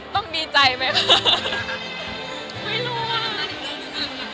ต้องดีใจไหม